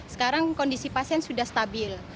sekarang kondisi pasien sudah stabil